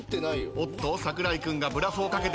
おっと櫻井君がブラフをかけています。